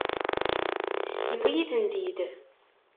Yewwi-iyi-tent-id.